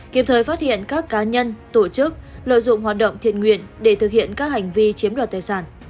kịp thời phát hiện các cá nhân tổ chức lợi dụng hoạt động thiện nguyện để thực hiện các hành vi chiếm đoạt tài sản